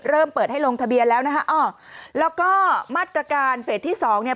เริ่มเปิดให้ลงทะเบียนแล้วนะฮะอ๋อแล้วก็มาตรการเฟสที่สองเนี่ย